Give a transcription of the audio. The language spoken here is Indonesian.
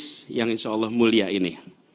majelis yang insyaallah mulia ini